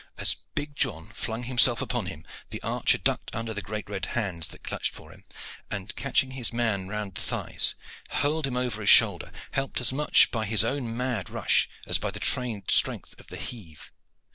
As big John flung himself upon him, the archer ducked under the great red hands that clutched for him, and, catching his man round the thighs, hurled him over his shoulder helped as much by his own mad rush as by the trained strength of the heave.